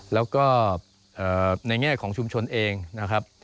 แล้วก็ในแง่ของชุมชนเองนะครับ